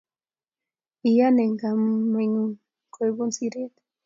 Iyan eng kamugengung koibun siret